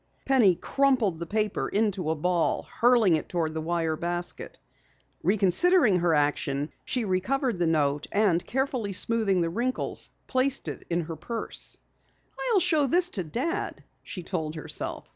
Penny crumpled the paper into a ball, hurling it toward the wire basket. Reconsidering her action, she recovered the note and, carefully smoothing the wrinkles, placed it in her purse. "I'll show this to Dad," she told herself.